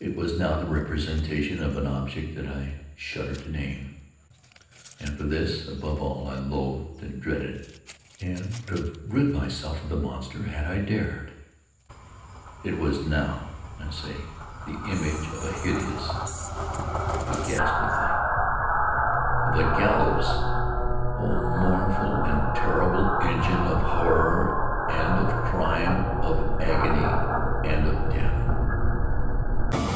It was now the representation of an object that I shudder to name—and for this, above all, I loathed, and dreaded, and would have rid myself of the monster had I dared—it was now, I say, the image of a hideous—of a ghastly thing—of the GALLOWS!—oh, mournful and terrible engine of Horror and of Crime—of Agony and of Death!